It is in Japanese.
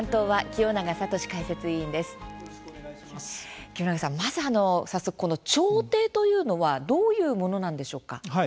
清永さん、まず早速この調停というのはどういうものなんでしょうか？